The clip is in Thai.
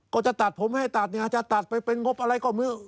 ก็จะตัดผมให้ตัดเนี่ยจะตัดไปเป็นงบอะไรก็มี